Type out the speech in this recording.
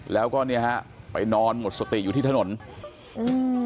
แล้วก็เนี่ยฮะไปนอนหมดสติอยู่ที่ถนนอืม